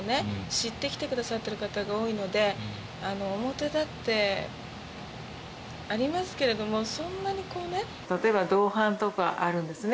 知って来てくださってる方が多いので表だってありますけれどもそんなにこうね例えば「同伴」とかあるんですね